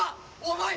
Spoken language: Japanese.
重い！